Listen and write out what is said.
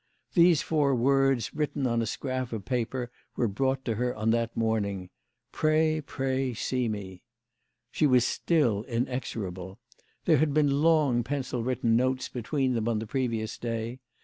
These four words written on a scrap of paper were brought to her on that morning: "Pray, pray, see me !" She was still inexorable. There had been long pencil written notes between them on the previous day.